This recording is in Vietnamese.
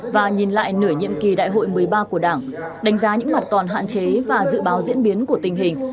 và nhìn lại nửa nhiệm kỳ đại hội một mươi ba của đảng đánh giá những mặt còn hạn chế và dự báo diễn biến của tình hình